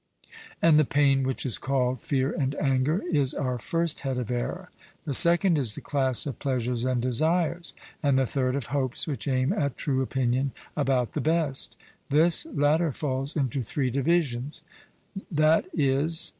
And the pain which is called fear and anger is our first head of error; the second is the class of pleasures and desires; and the third, of hopes which aim at true opinion about the best; this latter falls into three divisions (i.e.